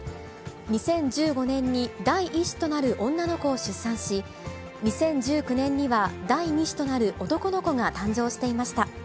２０１５年に第１子となる女の子を出産し、２０１９年には第２子となる男の子が誕生していました。